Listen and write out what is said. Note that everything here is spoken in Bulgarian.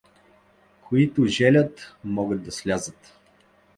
— Които желят, могат да слязат!